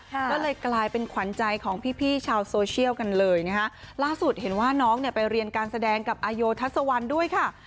ก็เลยกลายเป็นขวัญใจของพี่พี่ชาวโซเชียลกันเลยนะคะล่าสุดเห็นว่าน้องเนี่ยไปเรียนการแสดงกับอาโยทัศวรรณด้วยค่ะ